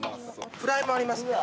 フライもあります。